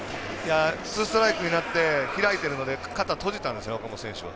ツーストライクになって開いてるので肩を閉じたんですよ、岡本選手は。